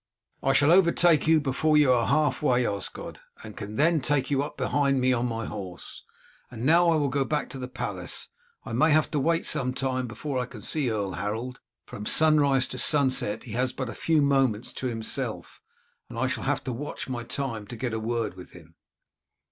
"I shall overtake you before you are half way, Osgod, and can then take you up behind me on my horse; and now I will go back to the palace. I may have to wait some time before I can see Earl Harold. From sunrise to sunset he has but a few moments to himself, and I shall have to watch my time to get a word with him."